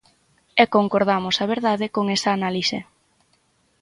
E concordamos, a verdade, con esa análise.